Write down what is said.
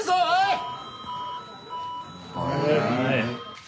はい。